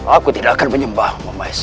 aku tidak akan menyembahmu maisa